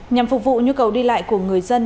nhằm phục vụ nhu cầu đi lại của người dân